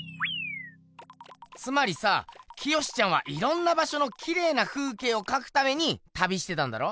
つまりさ清ちゃんはいろんなばしょのきれいな風景をかくために旅してたんだろ？